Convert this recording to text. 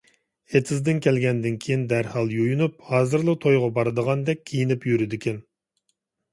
ئېتىزدىن كەلگەندىن كېيىن دەرھال يۇيۇنۇپ، ھازىرلا تويغا بارىدىغاندەك كىيىنىپ يۈرىدىكەن.